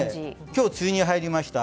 今日、梅雨に入りました。